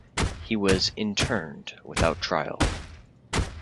He was interned without trial.